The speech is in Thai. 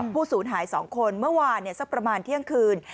ผู้สูญหาย๒คนเมื่อวานเนี่ยสักประมาณเที่ยงคืน